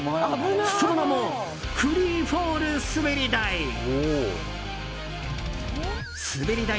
その名もフリーフォール滑り台。